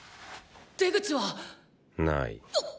出口は⁉ない。